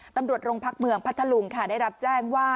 ตำรวจโรงพักเมืองพัทธลุงค่ะได้รับแจ้งว่า